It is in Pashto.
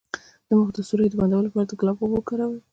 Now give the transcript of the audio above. د مخ د سوریو د بندولو لپاره د ګلاب اوبه وکاروئ